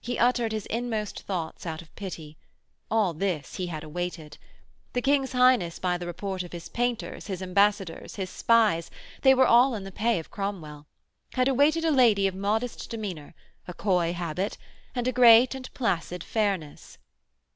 He uttered his inmost thoughts out of pity: All this he had awaited. The King's Highness by the report of his painters, his ambassadors, his spies they were all in the pay of Cromwell had awaited a lady of modest demeanour, a coy habit, and a great and placid fairness.